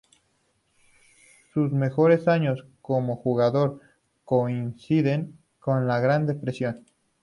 Sus mejores años como jugador coinciden con la Gran Depresión.